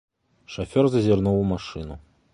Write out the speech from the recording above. Шафёр зазірнуў у машыну.